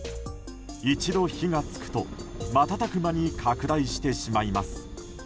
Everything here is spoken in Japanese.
一度火が付くと瞬く間に拡大してしまいます。